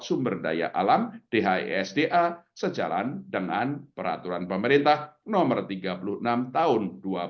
sumber daya alam dhesda sejalan dengan peraturan pemerintah nomor tiga puluh enam tahun dua ribu dua puluh